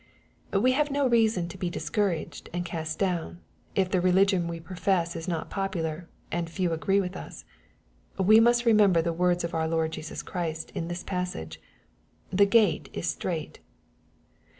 We have no reason to be discouraged and cairt down, if the religion we profess is not popular, and few agree with us. We must remember the words of our Lord Jesus Christ in this passage :" The gate is strait."